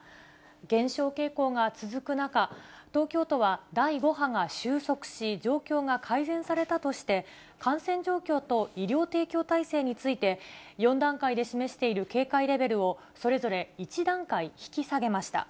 減少傾向が続く中、東京都は第５波が収束し、状況が改善されたとして、感染状況と医療提供体制について、４段階で示している警戒レベルを、それぞれ１段階引き下げました。